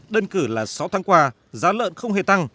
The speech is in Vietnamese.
đơn cử là sáu tháng qua giá lợn không hề tăng